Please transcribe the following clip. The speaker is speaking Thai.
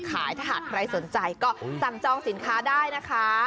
ถ้าหากใครสนใจก็สั่งจองสินค้าได้นะคะ